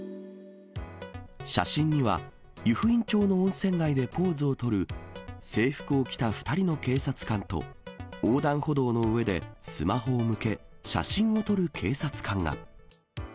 写真には、湯布院町の温泉街でポーズを取る、制服を着た２人の警察官と、横断歩道の上でスマホを向け、写真を撮る警察官が。